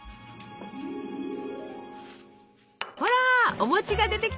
ほらお餅が出てきた！